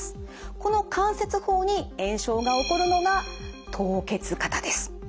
この関節包に炎症が起こるのが凍結肩です。